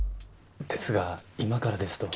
ですが今からですと。